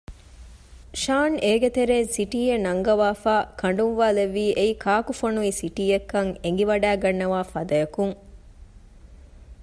ޝާން އޭގެތެރޭން ސިޓީއެއް ނަންގަވާފައި ކަނޑުއްވާލެއްވީ އެއީ ކާކު ފޮނުވި ސިޓީއެއްކަން އެނގިވަޑައިގަންނަވާ ފަދައަކުން